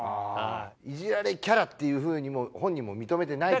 イジられキャラっていうふうに本人も認めてない。